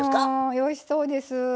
おいしそうです。